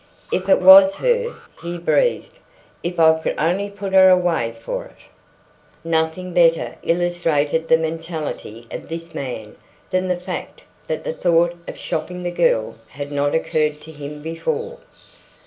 "If it was her!" he breathed. "If I could only put her away for it!" Nothing better illustrated the mentality of this man than the fact that the thought of "shopping" the girl had not occurred to him before.